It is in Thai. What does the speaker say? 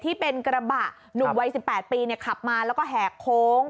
ที่เป็นกระบะหนุ่มวัย๑๘ปีขับมาแล้วก็แหกโค้ง